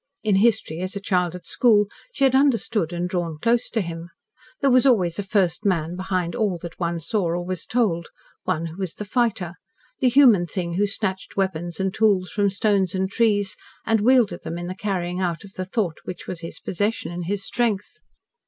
In history, as a child at school, she had understood and drawn close to him. There was always a First Man behind all that one saw or was told, one who was the fighter, the human thing who snatched weapons and tools from stones and trees and wielded them in the carrying out of the thought which was his possession and his strength.